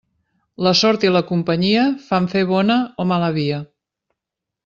La sort i la companyia fan fer bona o mala via.